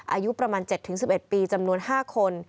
อายุประมาณ๗๑๑ปีจำนวน๕คน